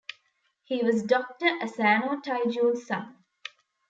He was Doctor Asano Taijun's son.